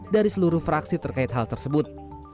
dari seluruh fraksi terkait hal tersebut